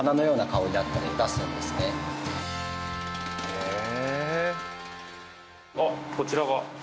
へえ。